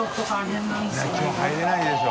きょう入れないでしょ。